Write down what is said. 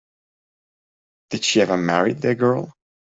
Did she ever marry the girl?